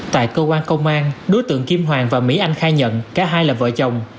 tại cơ quan công an đối tượng kim hoàng và mỹ anh khai nhận cả hai là vợ chồng